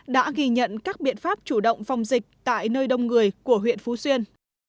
đã ghi nhận các biện pháp chủ động phòng dịch tại nơi đông người của huyện phú xuyên